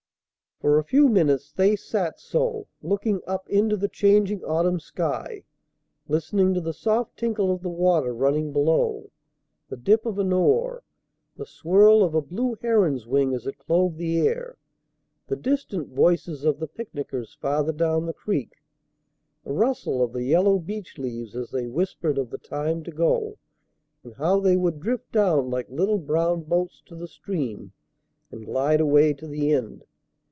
For a few minutes they sat so, looking up into the changing autumn sky, listening to the soft tinkle of the water running below, the dip of an oar, the swirl of a blue heron's wing as it clove the air, the distant voices of the picnickers farther down the creek, the rustle of the yellow beech leaves as they whispered of the time to go, and how they would drift down like little brown boats to the stream and glide away to the end.